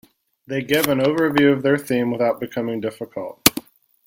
They give an overview of their theme without becoming difficult.